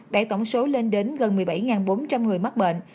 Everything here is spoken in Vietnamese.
đẩy tổng số lên đến gần một mươi bảy bốn trăm linh người mắc bệnh